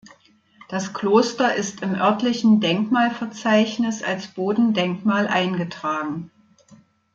Das Kloster ist im örtlichen Denkmalverzeichnis als Bodendenkmal eingetragen.